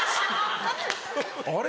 あれ？